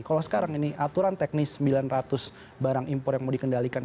kalau sekarang ini aturan teknis sembilan ratus barang impor yang mau dikendalikan